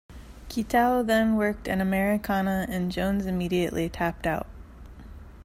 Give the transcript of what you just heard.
Kitao then worked an americana and Jones immediately tapped out.